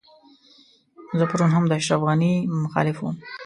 زه پرون هم د اشرف غني مخالف وم.